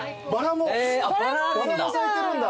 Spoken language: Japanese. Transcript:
バラも咲いてるんだ。